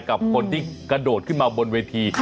กับคนที่กระโดดขึ้นมาบนเวที